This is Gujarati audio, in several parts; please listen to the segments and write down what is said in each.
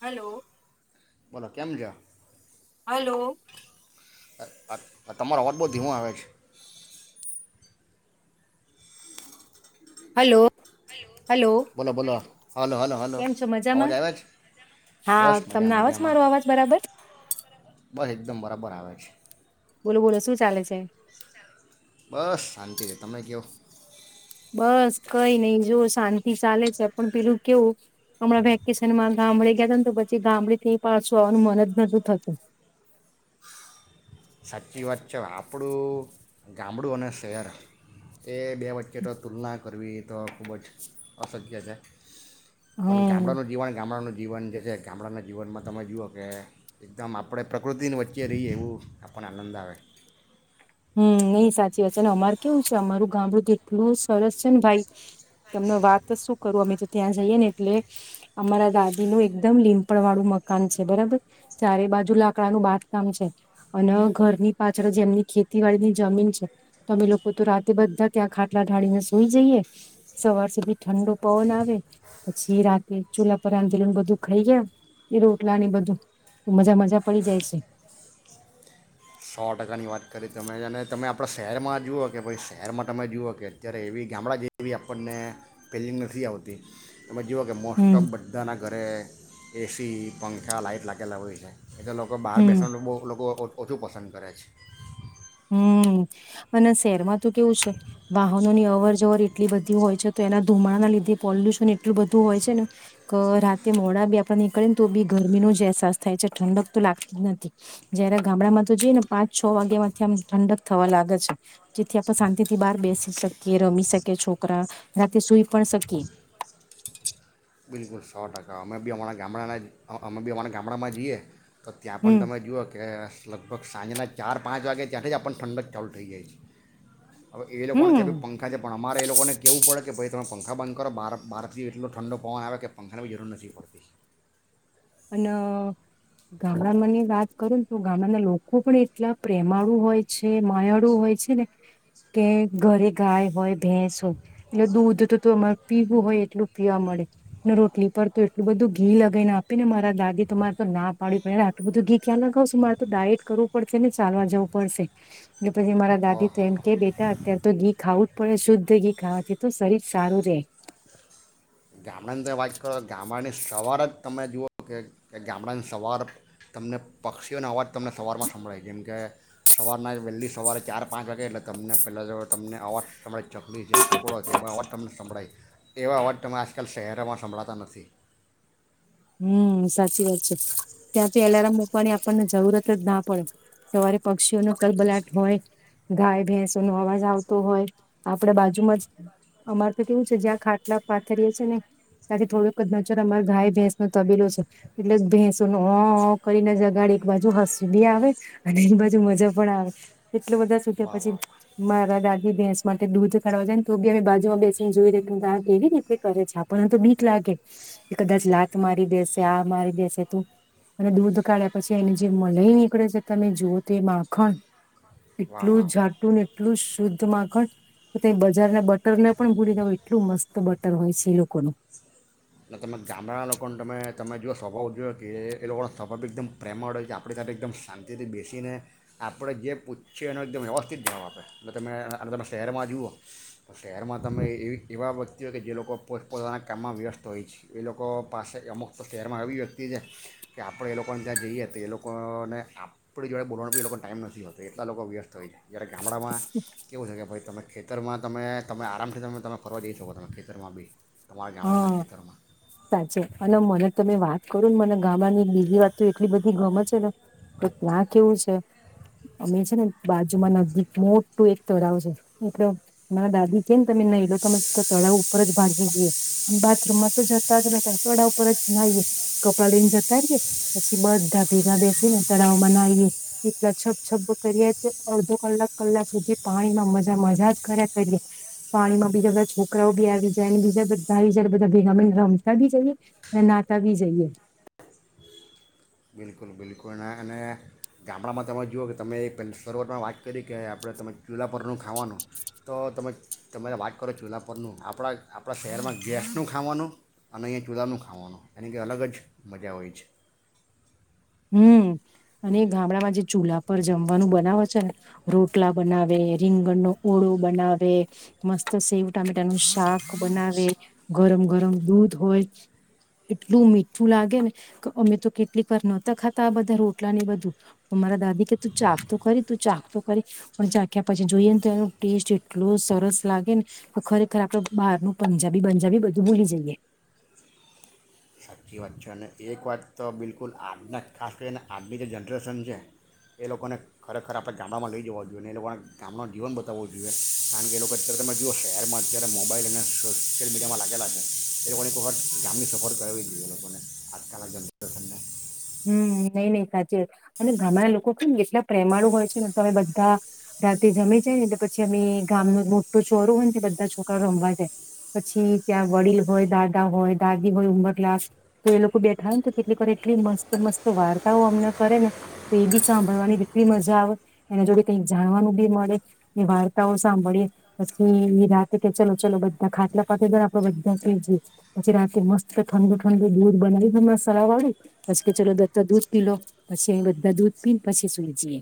હલો બોલો કેમ છે હલો તમારો અવાજ બહુ ધીમો આવે છે હલો હલો બોલો બોલો હલો હલો હલો કેમ છો અવાજ મજામાં આવે છે હા બસ મજા તમને આવે છે મજામાં મારો અવાજ બરાબર બસ એકદમ બરાબર આવે છે બોલો બોલો શું ચાલે છે બસ શાંતિ છે તમે કેવો બસ કઈ નઈ જો શાંતિ ચાલે છે પણ પેલું કેવું હમણાં વેકેશન માં ગામડે ગયા હતા ને તો પછી ગામડે થી પાછું આવવાનું મન જ નતું થતું સાચી વાત છે આપણું ગામડું અને શહેર એ બે વચ્ચે તો તુલના કરવી તો ખૂબ જ અસકીય છે પણ હમ. ગામડાનું જીવન ગામડાનું જીવન જે છે ગામડાના જીવનમાં તમે જુઓ કે એકદમ આપણે પ્રકૃતિની વચ્ચે રહીએ એવું આપણે આનંદ આવે હમ્મ નહી સાચી વાત છે ને અમાર કેવું છે અમારું ગામડું તો એટલું સરસ છે ને ભાઈ તમને વાત શું કરું અમે તો ત્યાં જઈએ ને એટલે અમારા દાદી નું એકદમ લીમપણ વાળું મકાન છે બરાબર ચારે બાજુ લાકડાનું બાંધકામ છે અને ઘરની પાછળ જેમની ખેતીવાડીની જમીન છે તો અમે લોકો તો રાતે બધા ત્યાં ખાટલા ઢાળીને સુઈ જઈએ સવાર સુધી ઠંડો પવન આવે પછી રાતે ચૂલા પર આંધેલુંને બધું ખાઈ ગયા એ રોટલા ને બધું મજા મજા પડી જાય છે સો ટકાની વાત કરી તમે અને તમે આપણા શહેરમાં જુઓ કે ભઇ શહેરમાં તમે જુઓ કે અત્યારે એવી ગામડા જે એવી આપણને પિલી નથી આવતી તમે જઓ કે હમ મોસ્ટમ બધાના ઘરે એસી, પંખા, લાઈટ લાગેલા હોયે છે. એ તો લોકો બાર હમ બેસાનુ બો એ લોકો ઓછું પસંદ કરે છે. હમ્મ અને શહેરમાં તો કેવું છે વાહનોની અવર જવર એટલી બધી હોય છ તો એના ધુમાડા લીધે પોલ્યુશન એટલું બધું હોય છ ને ક રાતે મોડા બી આપડે નીકળે ને તો બી ગરમીનો જ અહેસાસ થાય છે. ઠંડક તો લાગતી જ નથી. જયારે ગામડામાં તો જઈ ને પાંચ છ વાગ્યામાં થી આમ ઠંડક થવા લાગ છ. જેથી આપણે શાંતિથી બહાર બેસી શકીએ, રમી શકીએ છોકરા રાતે સુઈ પણ શકીએ. સો બિલકુલ ટકા અમે બી અમાડા ગામડાના જ અ-અમે બી અમાડા ગામડામાં જીયે તો ત્યાં પણ હમ તમે જુઓ કે લગભગ સાંજના ચાર પાંચ વાગે ત્યાંથી જ આપણ ઠંડક ચાલુ ઠઈ જાય છે. હવે એ લોકોને ત્યાં ભી હમ પંખા છે પણ અમારે એ લોકોને કેવું પડે કે ભઈ તમે પંખા બંધ કરો બાર-બારથી એટલો ઠંડો પવન આવે કે પંખાન બી જરૂર નથી પડતી. અન, ગામડામાંની વાત કરું ન તો ગામડાના લોકો પણ એટલા પ્રેમાળુ હોય છે માયાળું હોય છે ને, કે ઘરે ગાય હોય ભેંસ હો એટલે દૂધ ત-તો અમાર પીવું હોય એટલું પીવા મળે ન રોટલી પર તો એટલું બધું ઘી લગાવન આપ આપીને મારા દાદી તો માર તો ના પાડવી પડે ને આટું બધું ઘી ક્યાં લગાવશું માર તો ડાયટ કરવું પડશે ને ચાલવા જવું પડશે, ને પહી મારા દાદી ઓહો ત એમ હો હો કે બેટા અત્યાર તો ઘી ખાવું જ પડે શુદ્ધ ઘી ખાવાથી તો શરીર સારું રે. ગામડાની તમે વાત કરો ગામડાની સવાર જ તમે જુઓ કે ગામડાન સવાર તમને પક્ષીઓનો અવાજ તમને સવારમાં સંભળાય, જેમ કે સવારના વહેલી સવારે ચાર પાંચ વાગે એટલે તમને પહેલાં જો તમને અવાજ સંભળ. ચકલી છે, કુકડો છે, બર તમને સંભળાય. એ અવાજ તમે આસ આજકાલ શહેરમાં સંભળાતા નથી. હમ્મ સાચી વાત છે, ત્યાંથી એલારામ મૂકવાની આપણને જરૂરત જ ના પડે, સવારે પક્ષીઓનો કલબલાટ હોય, ગાય ભેંસોનો અવાજ આવતો હોય, આપડ બાજુમાં જ અમાર તો કેવું છે જ્યાં ખાટલા પાથરીએ છીએ ને, તાથી થોડુંક જ નજર અમાર ગાય ભેંસ તબીલો છે, એટલે ભેંસોનો. અનન અનન કરીને જગાડે એક બાજુ હસી બી આવે, અને એક બાજુ મજા પણ આવે, એટલા બધા સુધ્યા વાહ પછી વાહ વાહ મારા દાદી ભેંસ માટે દૂધ કાઢવા જાય ન તો બી અમે બાજુમાં બેસીને જોઈ રે અ-આ કેવી રીતે કરે છે, આપણને તો બીક લાગે કે કદાચ લા ત મારી દેસે આ મારી દેસે તો, અને દૂધ કાઢ્યા પછી એની જે મલાઈ નીકળે છે તમે જુઓ તો એ માખણ, વાહ એટલું વાહ વાહ જાટું ન એટલું શુદ્ધ માખણ, તે બજારના બટરને પણ ભૂલી દવ એટલું મસ્ત બટર હોય છે એ લોકોનું. ન તમે ગામડા લોકોન તમે-તમે જુઓ સ્વભાવ જુઓ કે એ લોકોનો સ્વભાવ બી એકદમ પ્રેમળ હોય છે આપણી સાથે એકદમ શાંતિથી બેસીને આપણે જે પૂછીએ એનો એકદમ વ્યવસ્થિત જવાબ આપે, એટલે તમે અન-અને તમે શહેરમાં જુઓ, તો શહેરમાં તમે એ-એવી-એવા વ્યક્તિઓય કે જે લોકો પોત-પોતાના કામમાં વ્યસ્ત ત હોય છે એ લોકો પાસે અમુક તો શહેરમાં એવી વ્યક્તિ છે કે આપડે એ લોકોન તાં જઈએ તો એ લોકો ન આપડી જોડે બોલવાનો બી એ લોકોન ટાઈમ નથી હોતો એટલા લોકો વ્યસ્ત હોય છે, જ્યારે ગામડામાં, કેવું છે કે ભઈ તમે ખેતરમાં તમે-તમે આરામથી તમે-તમે ફરવા જઈ શકો તમે ખેતરમાં બી. તમાર ગામડાના હા ખેતરમાં સાચે અને મને તમે વા કરું ન મને ગામાની એક બીજી વાત તો એટલી બધી ગમે છ ન, ક ત્યાં કેવું છ અમે છ ન બાજુમાં નજીક મોટું એક તરાવ છે, એટલ મારા દાદી કે ન કે તમે નઈ લો તો મીન્સ ક તરાવ ઉપર જ ભાાગી જીએ. બાથરૂમમાં તો જતા જ નતા તળાવ પર જ નાઈએ, કપડાં લઈન જતા રીએ પછી બધા ભેગા બેસીને તળાવમાં નાઈએ, એલા છપ છપ કરીએ તો અડધો કલાક કલાક સુધી પાણીમાં મજા મજા જ કરરે કરીએ, પાણીમાં બીજા બધા છોકરાઓ બી આવી જાય બીજા બધા તાવી જાર બધા ભેગા મળીન રમતા બી જઈએ, અને નાતા બી જઈએ. બિલકુલ બિલકુલ ને-અને ગામડામાં તમે જુઓ કે તમે એક પહેલ સરોવરમાં વાત કરી કે આપણે તમે ચૂલા પરનું ખાવાનું, તો તમે તમારે વાત કરો ચૂલા પરનું આપણા-આપણા શહેરમાં ગેસનું ખાવાનું, અને અહીંયા ચૂલાનું ખાવાનું, એની કઈ અલગ જ મજા હોય છે. હમ્મ, અને એ ગામડામાં જે ચૂલા પર જમવાનું બનાવ છ ન, રોટલા બનાવે, રીંગણનો ઓળો બનાવે, મસ્ત સેવ ટામેટાનું શાક બનાવે, ગરમ ગરમ દૂધ હોય, એટલું મીઠું લાગે ને, ક અમે તો કેટલીક વાર ન તા ખાતા આ બધા રોટલા ને એ બધું, પ મારા દાદી કે તું ચાખ તો ખરી તું ચાખ તો ખરી, પ ણ ચાખ્યા પછી જોઈએ ને તો એનો ટેસ્ટ એટલો સરસ લાગે ન, કે ખરેખર આપડ બહારનું પંજાબી-બંજાબી બધું ભૂલી જઈએ. એ વાત છે અને એક વાત તો બિલકુલ આજના ખાસ કરીને આજની જે જનરેશન છે, એ લોકોને ખરેખર આપણે ગામડામાં લઈ જવા જોઈએ ને એ લોકોને ગામનો જીવન બતાવવો જોઈએ, કારણ કે એ લોકો અત્યારે તમે જુઓ શહેરમાં અત્યારે મોબાઈલ અને સોશિયલ મીડિયામાં લાગેલા છે, એ લોકોને એક વખત ગામની સફર કરાવી જોએ. એ લોકોને, આજકાલ આ જનરેશન હમ્મ નહી નઈ સાચી, અને ગામડાના લોકો કેમ એટલા પ્રેમાળુ હોય છે ને તો અમે બધા રાતે જમી જાય ન એટલે પછી અમે ગામ મોટો શો-રૂમ ને બધા છોકરા રમવા જાય, પછી ત્યાં વડીલ હોય, દાદા હોય, દાદી હોય ઉંમર કલાસ, તો એ લોકો બેઠા હોય ને તો કેટલીક એટલી મસ્ત મસ્ત વાર્તાઓ અમને કરે ને, તો એ બી સાંભળવાની કેટલી મજા આવ, એના જોડે કંઈક જાણવાનું બી મળે, એ વાર્તાઓ સાંભળીએ, પછી એ રાતે કે ચલો ચલો બધા ખાટલા પથરી દો ન આપડે બધા સુઈ જીએ, પછી રાતે મસ્ત ઠંડુ ઠંડુ દૂધ બનાવી દે મસાલા વાળું. પછી કે ચલો દત્તો દૂધ પી લો, પછી અહીં બધા દૂધ પીને પછી સુઈ જીએ.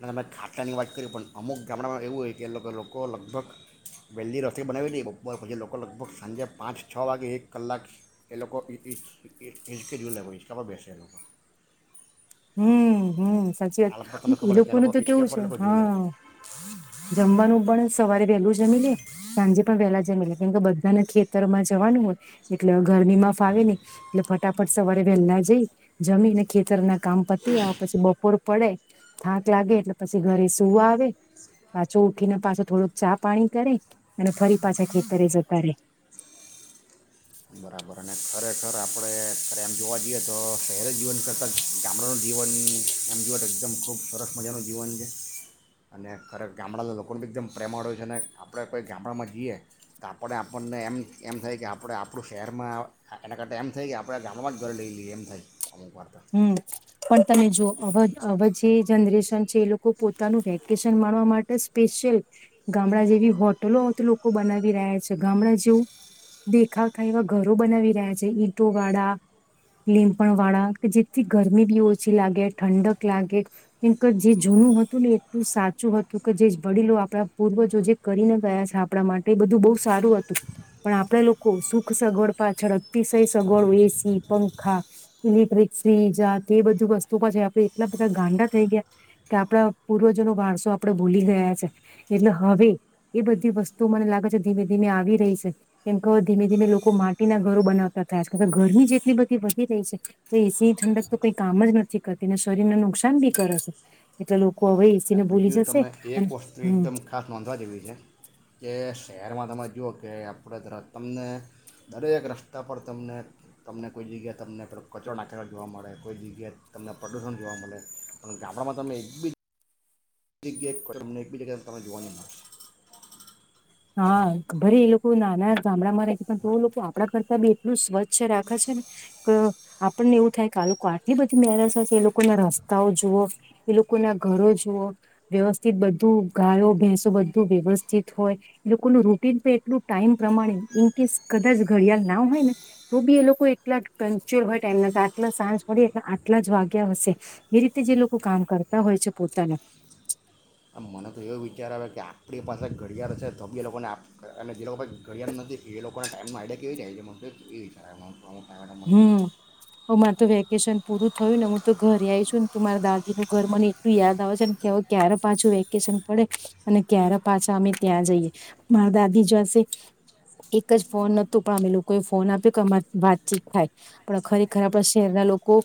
અને તમે ખાટાની વાત કરી પણ અમુક ગામડામાં એવું હોય કે એ લોકો-લોકો લગભગ, વહેલ્લી રસોઈ બનાવી લે બપો પછી લોકો લગભગ સાંજે પાંચ છો વાગે એક કલાક એ લોકો ઇ-ઇ-ઇ-ઇચ-ઇંચકે ઝૂલે ઇંચકા પર બેસે એ લોકો. હમ્મ હમ્મ. સાચી વાત, આ લોકો તમને એ ખબર છે કે આ લોકોનું લોકો તો હિચકે કેવું પર છે એ લોકો ઝૂલે હા, જમવાનું પણ સવારે વહેલું જમી લે સાંજે પણ વહેલા જમી લે કેમ કે બધાને ખેતર માં જવાનું હોય, એટલે ગરમી માં ફાવે નહી, એટલે ફટાફટ સવારે વહેલા જઈ, જમીને ખેતરના કામ પતી આવે પછી બપોર પડે, થાક લાગે એટલે પછી ઘરે સુૂ આવે, પાછો ઉઠીને પાછો થોડોક ચા પાણી કરે, અને ફરી પાછા ખેતરે જતારે. બરાબર અને ખરેખર આપણે ખરે એમ જોવા જઈએ તો શહેરી જીવન કરતાં જ ગામડાનું જીવન એમ જએ તો એકદમ ખૂબ સરસ મજાનું જીવન છે, અને ખરે ગામડાના લોકોને બી એકદમ પ્રેમાળ હો છે અને આપણે કોઈ ગામડામાં જઈએ, તો આપણે આપણને એમ એમ થાય કે આપણે આપણું શહેરમાં એના કરતા એમ થાય કે આપણા ગામડામાં જ ઘર લઈલી એમ થાય. હમ, પણ તમે જો અ અવે જે જનરેશન છે એ લોકો પોતાનું વેકેશન માણવા માટે સ્પેશિયલ, ગામડા જેવી હોટલો તો લોકો બનાવી રહ્યા છે, ગામડા જેવું દેખાખાય એવા ઘરો બનાવી રહ્યા છે ઈંટો વાળા, લીમપણ વાળા. જેથી ગરમી બી ઓછી લાગે ઠંડક લાગે, કેમ કે જે જૂનું હતું ને એટલું સાચું હતું કે જે વડીલો આપણા પૂર્વજો જે કરીને ગયા છે આપણા માટે એ બધું બહુ સારું હતું, પણ આપણા લોકો સુખ સગવડ પાછળ અતિશય સગવડો એસી પંખા, ઇલેક્ટ્રિક સજાત એ બધી વસ્તુ પાછ આપણે એટલા બધા ગાંડા થઈ ગયા કે, આપણા પૂર્વજોનોો વાણસો આપડે ભૂલી ગયા છે, એટલે હવે એ બધી વસ્તુ મને લાગે છે ધીમે ધીમે આવી રહી છે, કેમ કે ધીમે ધીમે લોકો માટીના ઘરો બનાવતા થયા છે કાર કે ગરમી જેટલી બધી વધી રહી છે. એસી ઠંડક તો કઈ કામ જ નથી કરતીને શરીરને નુકસાન બી કરે છે, એટલે લોકો હવે અને એસીને ભૂલી બીજું જશે તમે એક અને વસ્તુ હમ એકદમ ખાસ નોંધવા જેવી છે, કે શહેરમાં તમે જુઓ કે આપણે ત તમને, દરેક રસ્તા પર તમને તમને કોઈ જગ્યાએ તમનેે કચરો નાચરો જોવા મળે કોઈ જગ્યાએ તમને પ્રદૂષણ જોવા મળે, પણ ગામડામાં તમે એક બી જ એકિક ગે એક કર મને એકબજ તમા જુવાની માસ હા ભરે એ લોકો નાના ગામડામાં રહે પણ તો લોકો આપણા કરતા બી એટલું સ્વચ્છ રાખે છે ને કે આપણને એવું થાય કે આ લોકો આટલી બધી મરસ છે એ લોકો ના રસ્તાઓ જુઓ એ લોકોના ઘરો જુવઓ વ્યવસ્થિત બધું ગાયો ભેંસો બધું વ્યવસ્થિત હોય. લોકોનું રૂટીન પણ એટલું ટાઈમ પ્રમાણે ઇન કેસ કદાચ ઘડિયાળ ના હોય ને તો બી એ લોકો એટલા કંચર હોય ટાઈમ ના કે આટલા સાંજ મળી એલે આટલા જ વાગ્યા હશે એ રીતે જે લોકો કામ કરતા હોય છે. પોતાના એવું વિચાર આવે કે આપણી પાસે ઘડિયાળો છે. ધબ્ય લોકોને અને જે લોકો ભ ઘડિયાળ નથી. એ લોકોને ટાઈમનું આઈડિયા કેવી થાય છે. મને એ વિચાર આવે મને અમુક ટાઈમે હમ હમ તો વેકેશન પૂરું થયું ને હું તો ઘરે આવી છું ને તું મારા દાદી નું ઘર મને એટલું યાદ આવે છે ને કે હવે ક્યારે પાછું વેકેશન પડે અને ક્યારે પાછા અમે ત્યાં જઈએ મારા દાદી જોસે એક જ ફોન નોતતો પામે લોકોએ ફોન આપ્યો કે અમારીત ી થાય પણ ખરેખર આપણા શહેરના લોકો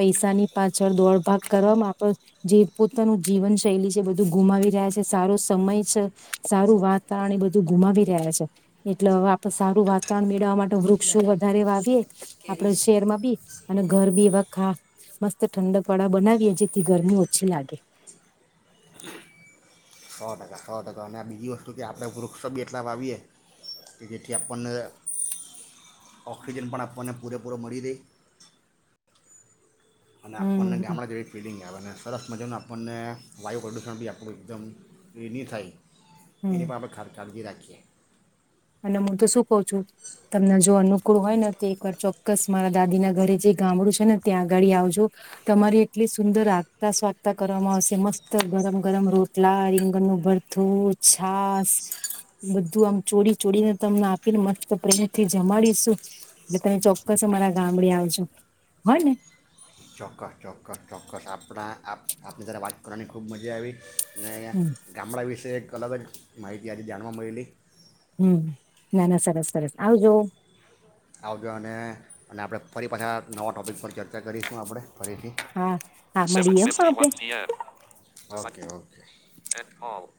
પૈસાની પાછળ દોડ ભાગ કરવામાં આપડ જે પોતાનું જીવન શૈલી છે બધું ગુમાવી રહ્યા છે સારો સમય છે સારું વાતાવરણ એ બધું ગુમાવી રહ્યા છે એટલે હવે આપડ સારું વાતાવરણ મેળવવા માટે લે વૃક્ષો વધારે વાવીએ કેરી આપડ છે શહેરમાં બી અને ઘર બી એવા ખા મસ્ત ઠંડક વાળા બનાવીએ જેથી ગરમી ઓછી લાગે સો ટકા સો ટકા અને આ બીજી વસ્તુ કે આપણે વૃક્ષ બી એટલા વાવીએ કે જેથી આપણને ઓક્સિજન પણ આપણને પૂરેપૂરો મળી રહે અને હમ આપણને હમ ગામડા જેવી ફીડિંગ આવે ને સરસ મજાનું આપણને વાયુ પ્રદૂષણ બી આપણું એકદમ એ નહીં થાય હમ એની પણ આપણે ખર કાળજી રાખીએ અને હું તો શું કઉ છું તમને જો અનુકૂળ હોય ને તો એકવાર ચોક્કસ મારા દાદી ના ઘરે જે ગામડું છે ને ત્યાં આગાળ આવજો તમારી એટલી સુંદર આગતા સ્વાગતા કરવામાં આવશે મસ્ત ગરમ ગરમ રોટલા રીંગણનુંું ભરથું છાસ બધું આમ ચોરી ચોડીને તમને આપીને મસ્ત પ્રેમ થી જમાડીશું એટલે તમે ચોક્કસ અમારા ગામડે આવજો હોય ને ચોક્કસ ચોક્કસ ચોક્કસ આપણા આપણી તરા વાત કરવાની ખૂબ મજા આવી હમ ગામડા વિશેેક કલગ જ માહિતી આજે જાણવા મળેલી હમ ના ના સરસ સરસ આવ જો આવજો અને આપણે ફરી પાછા નવા ટોપિક પર ચર્ચા કરીશું આપણે ફરીથી હા હા મળીએ આપણે બા ઓ